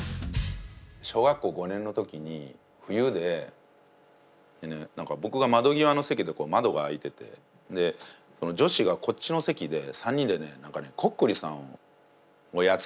小学校５年の時に冬で何か僕が窓際の席で窓が開いてて女子がこっちの席で３人でコックリさんをやってたんですよね。